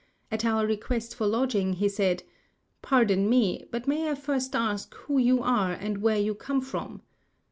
At our request for lodging, he said, "Pardon me, but may I first ask who you are and where you come from?"